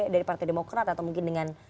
dari partai demokrat atau mungkin dengan